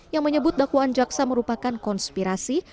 yang menyebut dakwaan jaksa merupakan konspirasi